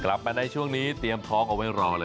กลับมาในช่วงนี้เตรียมท้องเอาไว้รอเลย